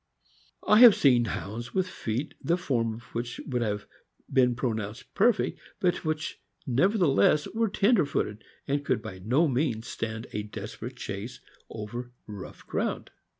" I have seen Hounds with feet the form of which would have been pronounced perfect, but which nevertheless were tender footed, and could by no means stand a desperate chase over rough ground.